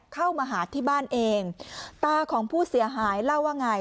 เข้ามาหาที่บ้านเองตาของผู้เสียหายเล่าว่าไง